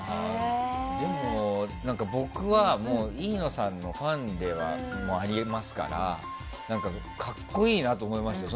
でも、僕は飯野さんのファンでもありますから格好いいなと思いますよ。